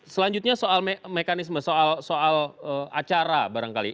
selanjutnya soal mekanisme soal acara barangkali